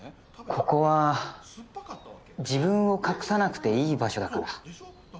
ここは自分を隠さなくていい場所だから。